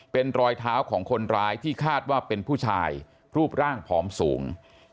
เป็นรอยเท้าของคนร้ายที่คาดว่าเป็นผู้ชายรูปร่างผอมสูง